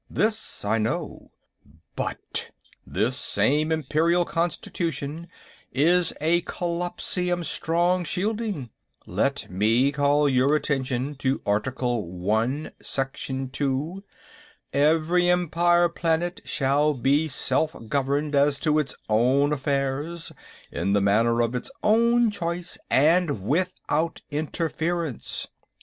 This I know. But this same Imperial Constitution is a collapsium strong shielding; let me call your attention to Article One, Section Two: _Every Empire planet shall be self governed as to its own affairs, in the manner of its own choice and without interference.